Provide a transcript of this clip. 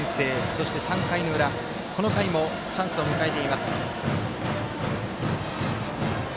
そして、３回の裏、この回もチャンスを迎えています。